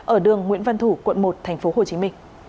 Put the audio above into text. ở đường nguyễn văn thủ quận một tp hcm